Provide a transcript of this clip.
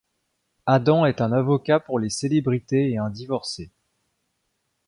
Adam est un avocat pour les célébrités et un divorcé.